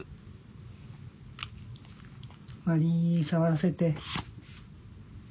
まり触らせて。